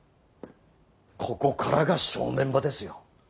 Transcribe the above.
ここからが正念場ですよ。